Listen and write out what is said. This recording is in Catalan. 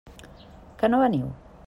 Que no veniu?